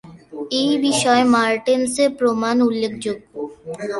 এই বিষয়ে মার্টেনসের প্রমাণ উল্লেখযোগ্য।